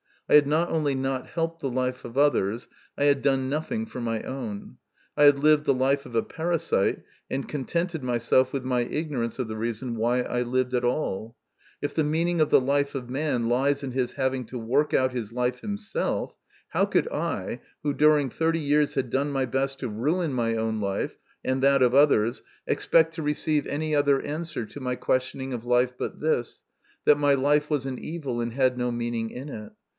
I had not only not helped the life of others, I had done nothing for my own. I had lived the life of a parasite, and contented myself with my ignorance of the reason why I lived at all. If the meaning of the life of man lies in his having to work out his life himself, how could I, who during thirty years had done my best to ruin my own life and that of others, expect to receive 106 MY CONFESSION. any other answer to my questioning of life but this, that my life was an evil and had no meaning in it